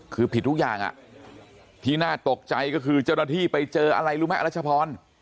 คือผิดทุกอย่างที่น่าตกใจก็คือเจ้าหน้าที่ไปเจออะไรรู้ไหมรัชพร